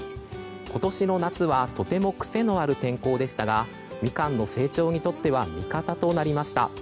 今年の夏はとても癖のある天候でしたがミカンの成長にとっては味方となりました。